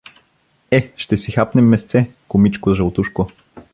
— Е, ще си хапнем месце, кумичко Жълтушко.